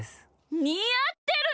にあってるね！